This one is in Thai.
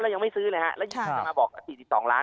ยังไม่ซื้อเลยฮะแล้วจะมาบอก๔๒ล้าน